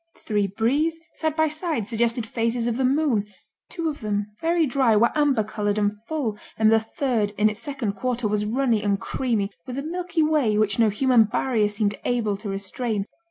Three Bries, side by side, suggested phases of the moon; two of them, very dry, were amber colored and "full," and the third, in its second quarter, was runny and creamy, with a "milky way" which no human barrier seemed able to restrain.